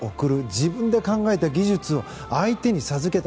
自分で考えた技術を相手に授けた。